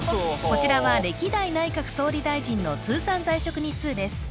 こちらは歴代内閣総理大臣の通算在職日数です